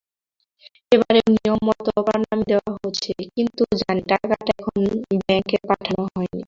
এবারেও নিয়মমত প্রণামী দেওয়া হয়েছে, কিন্তু জানি টাকাটা এখনো ব্যাঙ্কে পাঠানো হয় নি।